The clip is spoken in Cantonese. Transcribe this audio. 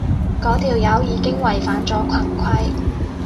嗰條友已經違反咗群規